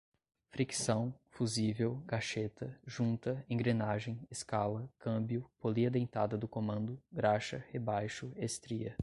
fricção, fusível, gaxeta, junta, engrenagem, escala, câmbio, polia dentada do comando, graxa, rebaixo, estria